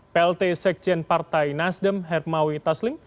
plt sekjen partai nasdem hermawi taslim